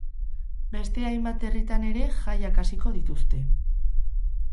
Beste hainbat herritan ere jaiak hasiko dituzte.